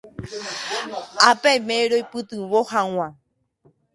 ápe aime roipytyvõ hag̃ua